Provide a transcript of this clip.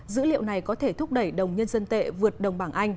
dữ liệu này có thể thúc đẩy đồng nhân dân tệ vượt đồng bảng anh